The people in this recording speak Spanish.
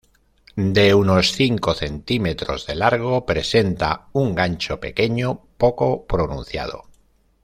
De unos cinco centímetros de largo presenta un gancho pequeño, poco pronunciado.